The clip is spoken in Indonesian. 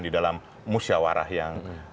di dalam musyawarah yang